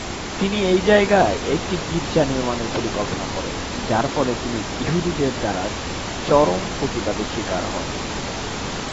তিনি এই জায়গায় একটি গির্জা নির্মাণের পরিকল্পনা করেন যার ফলে তিনি ইহুদিদের দ্বারা চরম প্রতিবাদে শিকার হন।